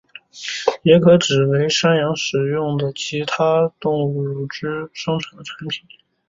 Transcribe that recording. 也可指为使用山羊等其他动物的乳汁生产的产品。